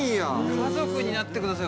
「家族になってください」